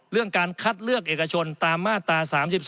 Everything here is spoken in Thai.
การคัดเลือกเอกชนตามมาตรา๓๒